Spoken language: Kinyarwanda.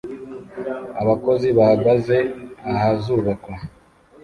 Abakozi bahagaze ahazubakwa